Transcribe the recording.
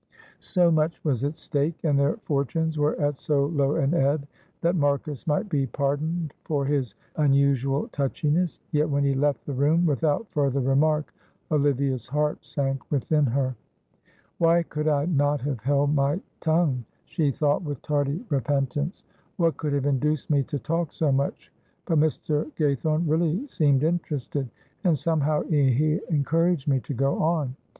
So much was at stake, and their fortunes were at so low an ebb, that Marcus might be pardoned for his unusual touchiness. Yet when he left the room without further remark, Olivia's heart sank within her. "Why could I not have held my tongue," she thought, with tardy repentance. "What could have induced me to talk so much, but Mr. Gaythorne really seemed interested, and somehow he encouraged me to go on.